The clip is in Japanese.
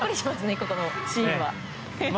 このシーンは。